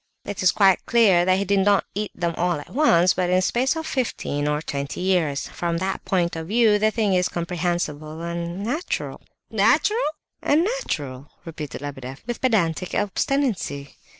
"It is quite clear that he did not eat them all at once, but in a space of fifteen or twenty years: from that point of view the thing is comprehensible and natural..." "Natural?" "And natural," repeated Lebedeff with pedantic obstinacy.